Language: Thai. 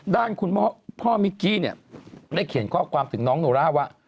ด้านคุณพ่อมิกกี้เนี่ยได้เขียนข้อความถึงน้องโนร่าว่า